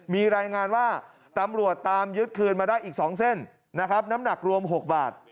มีรายงานว่าตำรวจตามยึดคืนมาได้อีก๒เส้นนะครับน้ำหนักรวม๖บาท